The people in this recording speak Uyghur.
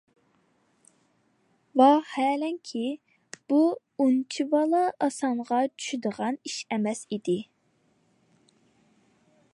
ۋاھالەنكى، بۇ ئۇنچىۋالا ئاسانغا چۈشىدىغان ئىش ئەمەس ئىدى.